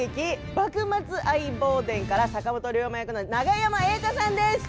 「幕末相棒伝」から坂本龍馬役の永山瑛太さんです。